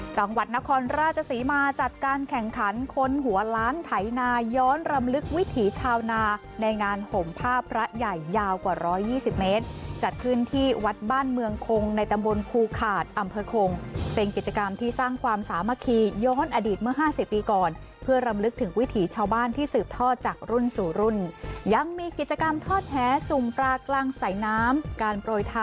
จังหวัดนครราชศรีมาจัดการแข่งขันคนหัวล้านไถนาย้อนรำลึกวิถีชาวนาในงานห่มผ้าพระใหญ่ยาวกว่าร้อยยี่สิบเมตรจัดขึ้นที่วัดบ้านเมืองคงในตำบลภูขาดอำเภอคงเป็นกิจกรรมที่สร้างความสามัคคีย้อนอดีตเมื่อ๕๐ปีก่อนเพื่อรำลึกถึงวิถีชาวบ้านที่สืบทอดจากรุ่นสู่รุ่นยังมีกิจกรรมทอดแหสุ่มปลากลางใส่น้ำการโปรท